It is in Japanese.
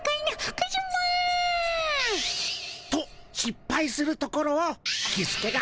カズマ。としっぱいするところをキスケが。